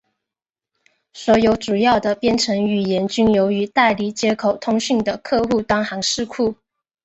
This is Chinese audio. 所有主要的编程语言均有与代理接口通讯的客户端函式库。